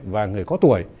và người có tuổi